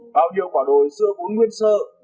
bao nhiêu quả đồi sữa bún nguyên sơ